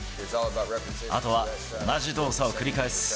あとは同じ動作を繰り返す。